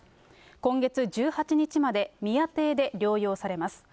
今月１８日まで宮邸で療養されます。